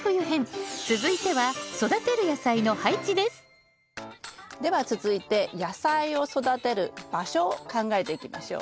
続いてはでは続いて野菜を育てる場所を考えていきましょう。